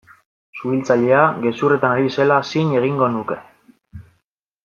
Suhiltzailea gezurretan ari zela zin egingo nuke.